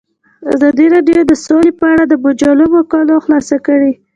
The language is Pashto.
ازادي راډیو د سوله په اړه د مجلو مقالو خلاصه کړې.